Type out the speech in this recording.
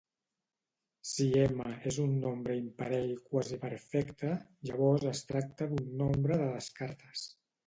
Si "m" és un nombre imparell quasiperfecte, llavors es tracta d'un nombre de Descartes.